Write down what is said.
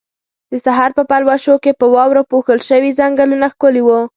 د سحر په پلوشو کې په واورو پوښل شوي ځنګلونه ښکلي وو.